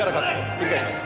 繰り返します。